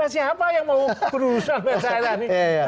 siapa yang mau perusahaan website ini